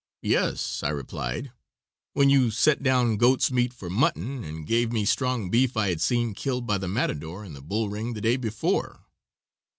"Yes," I replied, "when you set down goat's meat for mutton, and gave me strong beef I had seen killed by the matadore in the bull ring the day before."